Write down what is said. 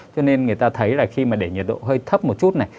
cho nên người ta thấy là khi mà để nhiệt độ hơi thấp một chút này